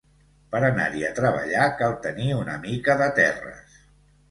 Per anar-hi a treballar cal tenir una mica de terres.